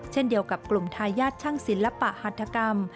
เช่นเดียวกับกลุ่มทายาทช่างศิลปะหัฐกรรม